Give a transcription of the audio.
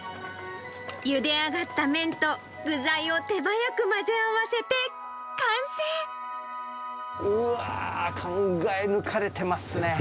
ゆで上がった麺と、具材を手うわー、考え抜かれてますね。